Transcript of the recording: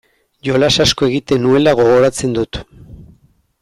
Jolas asko egiten nuela gogoratzen dut.